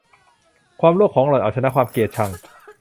ความโลภของหล่อนเอาชนะความเกลียดชัง